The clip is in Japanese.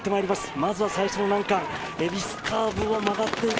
まずは、最初の難関えびすカーブを曲がっていく。